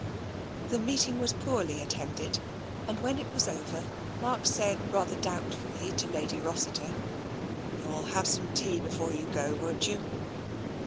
The meeting was poorly attended, and when it was over Mark said rather doubtfully to Lady Rossiter : You'll have some tea before you go, won't you?